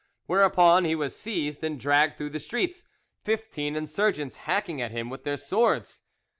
Whereupon he was seized and dragged through the streets, fifteen insurgents hacking at him with their swords.